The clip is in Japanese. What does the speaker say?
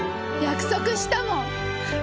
約束したもん。